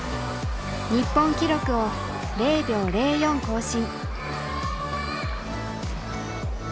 日本記録を０秒０４更新。